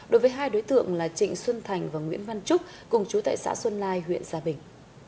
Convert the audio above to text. đối với hai đối tượng là trịnh xuân thành và nguyễn văn trúc cùng chú tại xã xuân lai huyện gia bình